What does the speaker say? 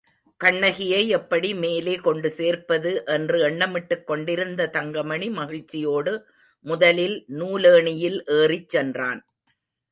கண்ணகியை எப்படி மேலே கொண்டு சேர்ப்பது என்று எண்ணமிட்டுக்கொண்டிருந்த தங்கமணி, மகிழ்ச்சியோடு முதலில் நூலேணியில் ஏறிச் சென்றான்.